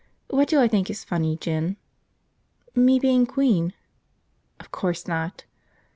"What do I think is funny, Jin?" "Me being queen." "Of course not!"